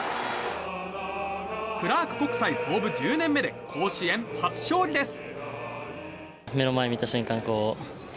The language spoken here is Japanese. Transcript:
クラーク国際、創部１０年目で甲子園初勝利です。